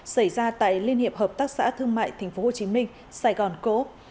xảy ra tại liên hiệp hợp tác xã thương mại tp hcm sài gòn cố